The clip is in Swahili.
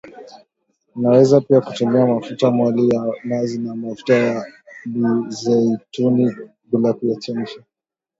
Unaweza pia kutumia mafuta mwali ya nazi au mafuta ya mizeituni bila kuyachemsha